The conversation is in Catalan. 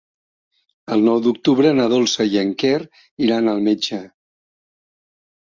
El nou d'octubre na Dolça i en Quer iran al metge.